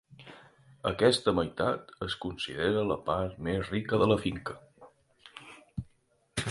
Aquesta meitat es considera la part més rica de la finca.